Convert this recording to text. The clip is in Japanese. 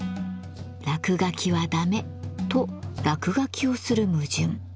「落書きはダメ」と落書きをする矛盾。